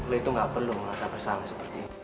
lu itu tidak perlu mengasah bersama seperti ini